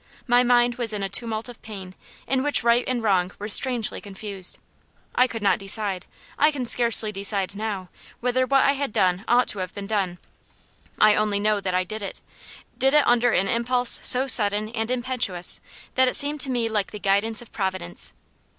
My mind was in a tumult of pain, in which right and wrong were strangely confused. I could not decide I can scarcely decide now whether what I had done ought to have been done; I only know that I did it did it under an impulse so sudden and impetuous that it seemed to me like the guidance of Providence.